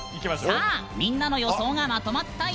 みんなの予想がまとまったよ。